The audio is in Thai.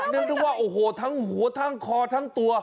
นึกได้ว่าโอ้โหทั้งหัวทั้งคอทั้งตัว